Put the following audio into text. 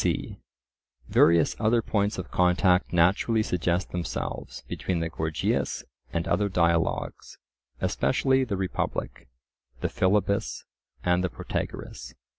c. Various other points of contact naturally suggest themselves between the Gorgias and other dialogues, especially the Republic, the Philebus, and the Protagoras.